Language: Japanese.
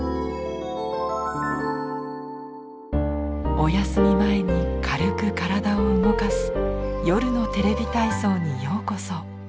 お休み前に軽く体を動かす「夜のテレビ体操」にようこそ。